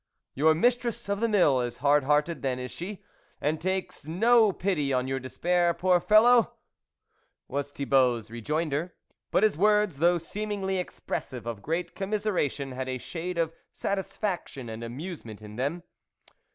"Your mistress of the mill is hard hearted then, is she ? and takes no pity on your despair, poor fellow ?" was Thibault's rejoinder ; but his words, though seemingly expressive of great commiseration, had a shade of satisfaction and amusement in them.